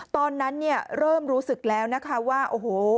ตอนนั้นเริ่มรู้สึกแล้วว่าโอ้โฮ